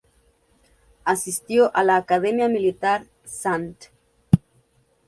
Asistió a la Academia Militar St.